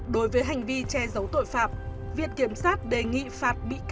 đối với hành vi che giấu tội phạm